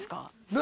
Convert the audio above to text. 何？